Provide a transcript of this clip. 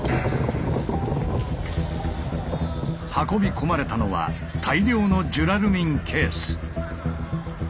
運び込まれたのは大量のジュラルミンケース。